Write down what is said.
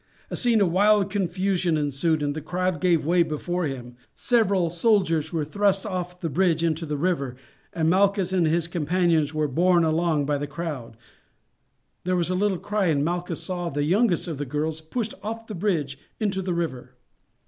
A scene of wild confusion ensued. The crowd gave way before him, several soldiers were thrust off the bridge into the river, and Malchus and his companions were borne along by the crowd; there was a little cry, and Malchus saw the youngest of the girls pushed off the bridge into the river.